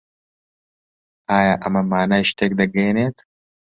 ئایا ئەمە مانای شتێک دەگەیەنێت؟